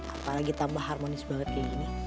apalagi tambah harmonis banget kayak gini